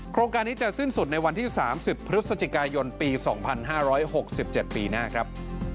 โครงการนี้จะสิ้นสุดในวันที่๓๐พฤศจิกายนปี๒๕๖๗ปีหน้าครับ